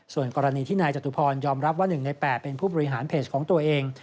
ส่วนกรณีที่นายจตุพรยอมรับว่า๑ใน๘เป็นผู้บริหารเพจของตัวเอง